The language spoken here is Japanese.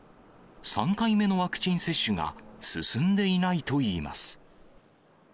３回目のワクチン接種が進んでいないといいます。